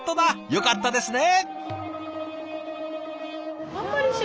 よかったですね。